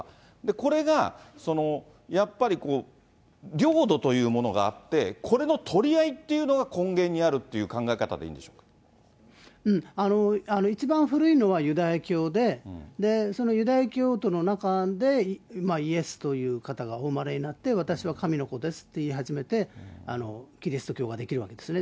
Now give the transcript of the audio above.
これがやっぱり、領土というものがあって、これの取り合いっていうのが、根源にあるっていうのが考え方でい一番古いのはユダヤ教で、そのユダヤ教徒の中でイエスという方がお生まれになって、私は神の子ですって言い始めて、キリスト教ができるわけですね。